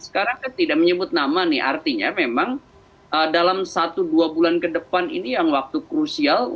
sekarang kan tidak menyebut nama nih artinya memang dalam satu dua bulan ke depan ini yang waktu krusial